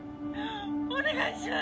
お願いします！